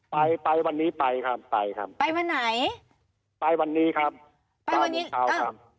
ไปไปวันนี้ไปครับไปครับไปวันไหนไปวันนี้ครับไปวันนี้เช้าครับ